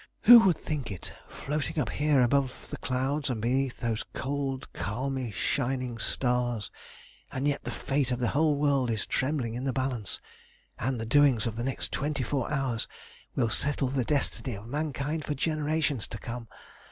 Who would think it, floating up here above the clouds and beneath those cold, calmly shining stars! And yet the fate of the whole world is trembling in the balance, and the doings of the next twenty four hours will settle the destiny of mankind for generations to come.